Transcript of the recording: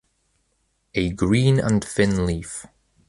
A green and thin leaf.